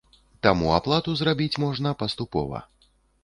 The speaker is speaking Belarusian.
Таму аплату зрабіць можна паступова.